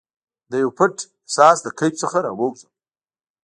دیو پټ احساس د کیف څخه راوزم